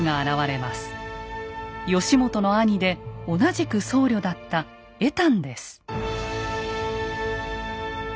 義元の兄で同じく僧侶だった恵探です。